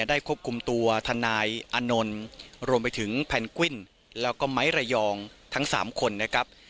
ควบคุมตัวทนายอานนท์รวมไปถึงแพนกวินแล้วก็ไม้ระยองทั้ง๓คนนะครับ